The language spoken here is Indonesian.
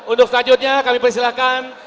untuk selanjutnya kami persilahkan